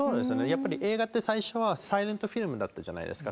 やっぱり映画って最初はサイレントフィルムだったじゃないですか。